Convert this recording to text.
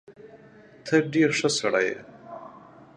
ته ډېر ښه سړی یې.